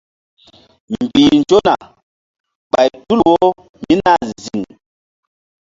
Mbih nzona ɓay tul wo mí nah ziŋ.